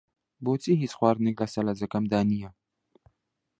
بۆچی هیچ خواردنێک لە سەلاجەکەمدا نییە؟